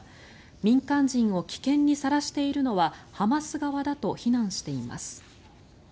民間人を危険にさらしているのはハマス側だと非難しています。